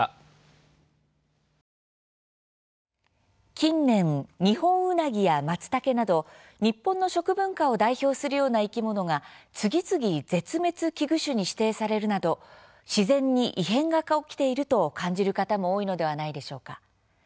近年、ニホンウナギやまつたけなど日本の食文化を代表するような生き物が次々絶滅危惧種に指定されるなど自然に異変が起きていると感じる方も多いのではないでしょうか。